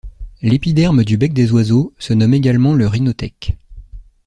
L'épiderme du bec des oiseaux se nomment également le rhinothèque.